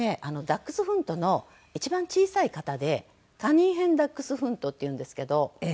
ダックスフントの一番小さい型でカニンヘンダックスフントっていうんですけど。